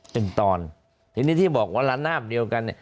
ถึงตอนทีนี้ที่บอกวันน้ำเดียวกัน